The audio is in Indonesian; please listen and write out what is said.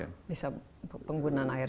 penggunaan airnya bisa banyak sekali ya